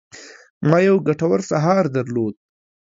ما یو ګټور سهار درلود.